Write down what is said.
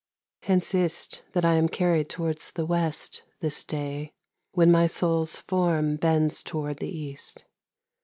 Hence is't, that I am carryed towards the WestThis day, when my Soules forme bends toward the East.